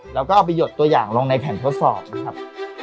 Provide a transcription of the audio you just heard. แล้วก็เอาไปหยดตัวอย่างลงในแผ่นทดสอบนะครับ